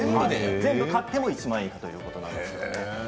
全部買っても１万円以下ということです。